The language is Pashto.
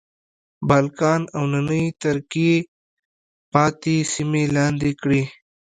بالکان او نننۍ ترکیې پاتې سیمې لاندې کړې.